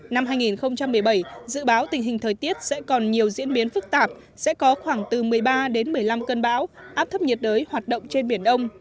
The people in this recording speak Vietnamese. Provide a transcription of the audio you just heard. năm hai nghìn một mươi bảy dự báo tình hình thời tiết sẽ còn nhiều diễn biến phức tạp sẽ có khoảng từ một mươi ba đến một mươi năm cơn bão áp thấp nhiệt đới hoạt động trên biển đông